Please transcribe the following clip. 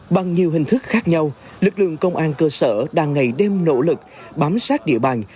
bằng nhiều hình thức khác nhau lực lượng công an cơ sở đang ngày đêm nỗ lực bám sát địa bàn